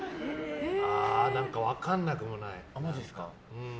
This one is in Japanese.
何か分かんなくもない。